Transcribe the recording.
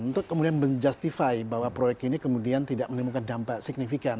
untuk kemudian menjustify bahwa proyek ini kemudian tidak menimbulkan dampak signifikan